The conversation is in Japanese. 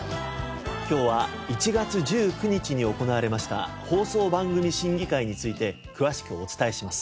今日は１月１９日に行われました放送番組審議会について詳しくお伝えします。